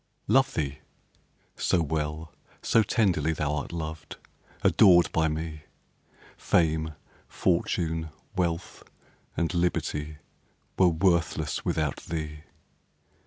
Love thee? so well, so tenderly Thou'rt loved, adored by me, Fame, fortune, wealth, and liberty, Were worthless without thee.